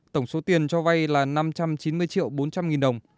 tổng số tiền cho vay là năm trăm chín mươi triệu bốn trăm linh nghìn đồng